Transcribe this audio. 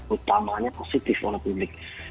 utamanya positif oleh publik